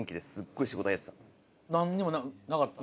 何にもなかったの？